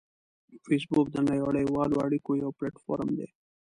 فېسبوک د نړیوالو اړیکو یو پلیټ فارم دی